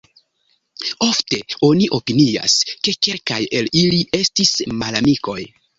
Ofte oni opinias, ke kelkaj el ili estis malamikoj.